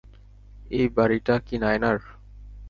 এই বাড়িটা কি নায়নার?